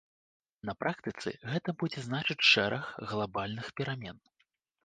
На практыцы гэта будзе значыць шэраг глабальных перамен.